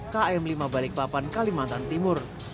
km lima balikpapan kalimantan timur